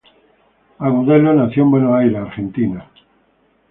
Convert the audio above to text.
Agudelo nació en Buenos Aires, Argentina.